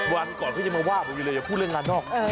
วันก่อนเขาจะมาว่าผมอยู่เลยอย่าพูดเรื่องงานนอก